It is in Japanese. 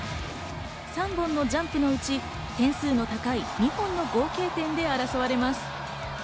３本のジャンプのうち点数の高い２本の合計点で争われます。